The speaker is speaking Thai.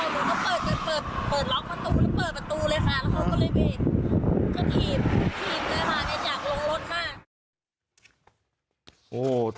แล้วเขาก็ได้ฮีบทรีย์วิวมาจากโรงรถค่ะ